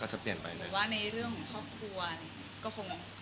หรือว่าในเรื่องของครอบครัว